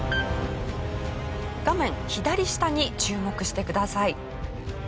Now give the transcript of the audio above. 画面左下に注目してください。